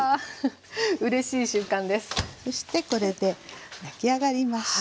そしてこれで焼き上がりました。